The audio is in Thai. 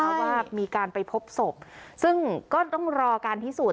เพราะว่ามีการไปพบศพซึ่งก็ต้องรอการพิสูจน